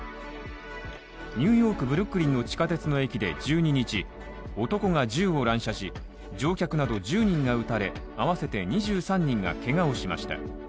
ニューヨーク・ブルックリンの地下鉄の駅で１２日、男が銃を乱射し、乗客など１０人が撃たれ合わせて２３人がけがをしました。